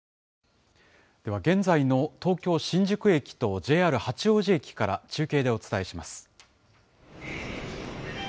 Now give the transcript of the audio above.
では現在の東京・新宿駅とＪＲ八王子駅から、中継でお伝えします。